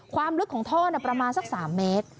ความลึกของท่อประมาณสัก๓เมตร